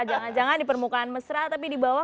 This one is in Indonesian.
jangan jangan di permukaan mesra tapi di bawah